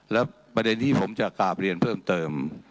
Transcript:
และประเด็นที่ผมจะกราบเรียนเพิ่มเติม